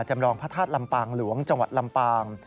จำลองพระธาตุลำปางหลวงจังหวัดลำปาง